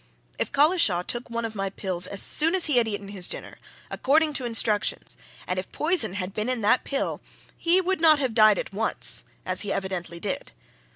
If Collishaw took one of my pills as soon as he had eaten his dinner, according to instructions, and if poison had been in that pill, he would not have died at once as he evidently did.